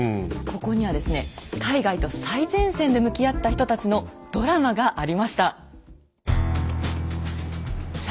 ここにはですね海外と最前線で向き合った人たちのドラマがありました。